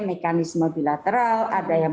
mekanisme bilateral ada yang